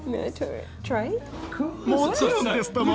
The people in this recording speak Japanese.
もちろんですとも！